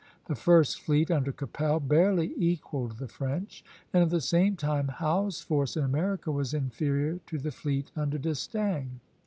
The first fleet, under Keppel, barely equalled the French; and at the same time Howe's force in America was inferior to the fleet under D'Estaing.